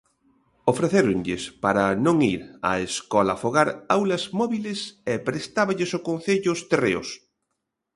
Ofrecéronlles para non ir á escola-fogar aulas móbiles e prestáballes o concello os terreos.